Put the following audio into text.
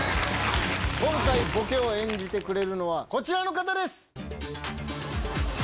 今回ボケを演じてくれるのはこちらの方です！